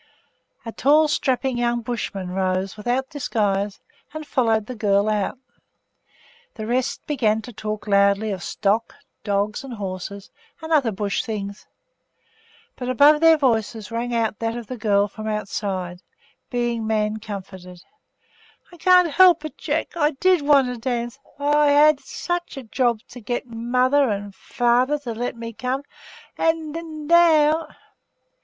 A tall, strapping young Bushman rose, without disguise, and followed the girl out. The rest began to talk loudly of stock, dogs, and horses, and other Bush things; but above their voices rang out that of the girl from the outside being man comforted 'I can't help it, Jack! I did want to dance! I I had such such a job to get mother and and father to let me come and and now!